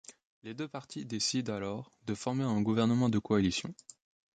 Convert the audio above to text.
Les deux partis décident alors de former un gouvernement de coalition.